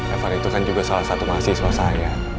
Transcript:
evan itu kan juga salah satu mahasiswa saya